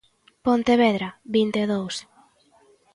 Pontevedra: vinte e dous.